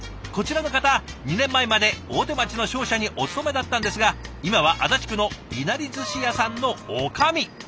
こちらの方２年前まで大手町の商社にお勤めだったんですが今は足立区のいなり寿司屋さんの女将。